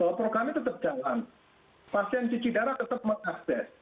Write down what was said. kalau programnya tetap jalan pasien cuci darah tetap mengakses